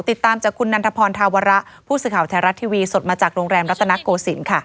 ติดตามจากคุณนันทพรธาวระผู้สื่อข่าวไทยรัฐทีวีสดมาจากโรงแรมรัตนโกศิลป์ค่ะ